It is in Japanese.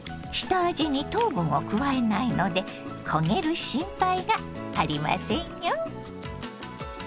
下味に糖分を加えないので焦げる心配がありませんよ。